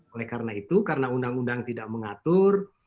oleh karena itu karena undang undang tidak mengatur